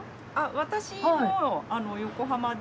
私も横浜で。